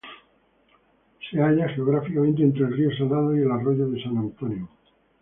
Se halla geográficamente entre el río Salado y el arroyo San Antonio.